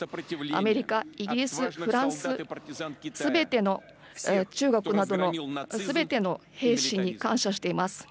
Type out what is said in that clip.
アメリカ、イギリス、フランス、すべての中国などの、すべての兵士に感謝しています。